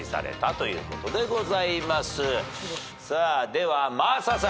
では真麻さん。